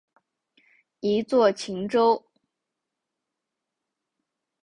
一作晴州。